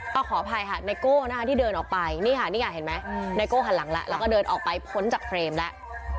เอาขออภัยค่ะไนโก้นะคะที่เดินออกไปนี่ค่ะนี่ไงเห็นไหมไนโก้หันหลังแล้วแล้วก็เดินออกไปพ้นจากเฟรมแล้ว